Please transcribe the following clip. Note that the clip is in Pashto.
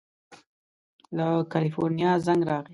له کلیفورنیا زنګ راغی.